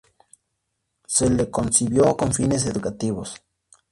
Se lo concibió con fines educativos.